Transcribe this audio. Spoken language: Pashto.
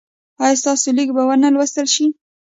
ایا ستاسو لیک به و نه لوستل شي؟